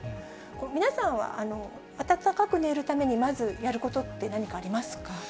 皆さんは暖かく寝るためにまずやることって、何かありますか。